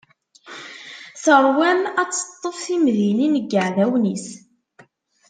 Tarwa-m ad teṭṭef timdinin n yiɛdawen-is!